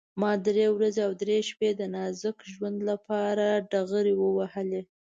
ما درې ورځې او درې شپې د نازک ژوند لپاره ډغرې ووهلې.